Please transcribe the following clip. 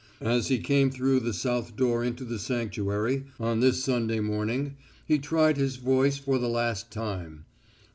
As he came through the south door into the sanctuary, on this Sunday morning, he tried his voice for the last time.